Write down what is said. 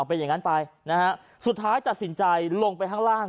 เป็นอย่างนั้นไปนะฮะสุดท้ายตัดสินใจลงไปข้างล่าง